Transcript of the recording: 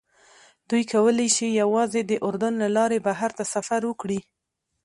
دوی کولی شي یوازې د اردن له لارې بهر ته سفر وکړي.